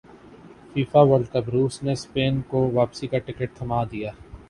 FIFA World cup روس نے Spain کو واپسی کا ٹکٹ تھمادیا